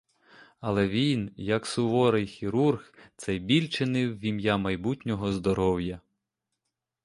Але він, як суворий хірург, цей біль чинив в ім'я майбутнього здоров'я.